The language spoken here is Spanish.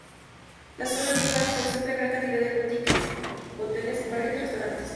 La "Zona Viva" concentra gran cantidad de boutiques, hoteles, bares, restaurantes.